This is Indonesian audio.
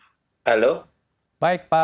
apakah perlu ini menjadi perhatian dari keluarga